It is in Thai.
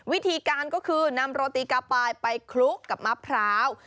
วิธีการก็คือนำโรตีกาปายไปคลุกกับมะพร้าว